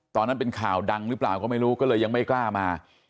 ตอนนั้นเป็นข่าวดังหรือเปล่าก็ไม่รู้ก็เลยยังไม่กล้ามา